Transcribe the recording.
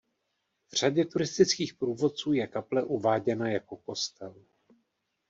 V řadě turistických průvodců je kaple uváděna jako kostel.